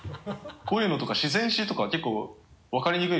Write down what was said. こういうのとか「自然史」とかは結構分かりにくい。